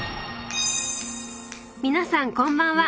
皆さんこんばんは。